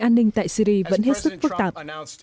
của an tán chùm khủng bố is tại syria vẫn hết sức phức tạp